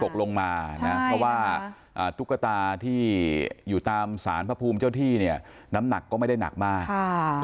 ตกลงมานะเพราะว่าตุ๊กตาที่อยู่ตามสารพระภูมิเจ้าที่เนี่ยน้ำหนักก็ไม่ได้หนักมาก